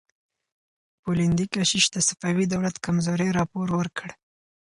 پولندي کشیش د صفوي دولت کمزورۍ راپور ورکړ.